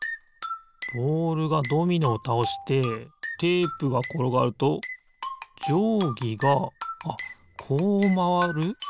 ボールがドミノをたおしてテープがころがるとじょうぎがあっこうまわる？